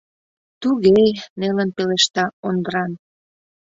— Туге-е, — нелын пелешта Ондран.